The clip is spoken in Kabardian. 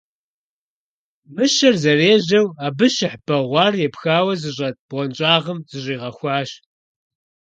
Мыщэр зэрежьэу, абы щыхь бэгъуар епхауэ зыщӀэт бгъуэнщӀагъым зыщӀигъэхуащ.